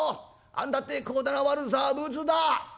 あんだってこだな悪さぶつだ？